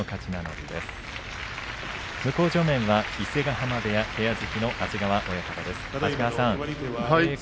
向正面は伊勢ヶ濱部屋部屋付きの安治川さんです。